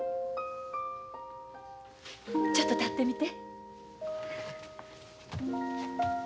ちょっと立ってみて。